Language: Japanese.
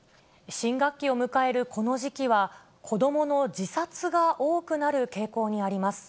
新学期を迎えるこの時期は、子どもの自殺が多くなる傾向にあります。